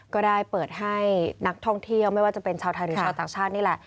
ก็ได้เปิดให้นักท่องเที่ยวไม่ว่าจะเป็นชาวไทยหรือชาวต่างชาตินี่แหละ